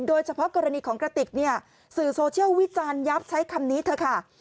โดยเฉพาะกรณีของกระติกเนี่ยสื่อโซเชียลวิจารณ์ยับใช้คำนี้เถอะค่ะ